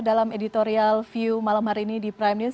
dalam editorial view malam hari ini di prime news